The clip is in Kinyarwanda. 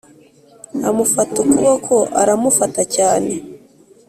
amufata ukuboko aramufata cyane